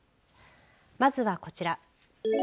まずはこちら。